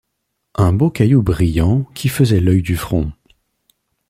Un beau caillou brillant qui faisait l'oeil du front.